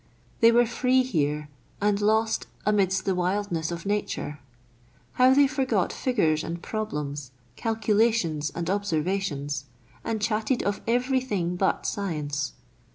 They were free here and lost amidst the wildness of nature. How they forgot figures and problems, calculations and observations, and chatted of every thing but science